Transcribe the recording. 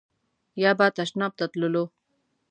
یا به تشناب ته تللو.